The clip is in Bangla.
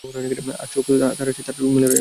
তার চোখ, তার হাসি, সবই মোরেলারই মতো।